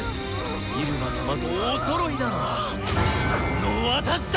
イルマ様とおそろいなのはこの私だ！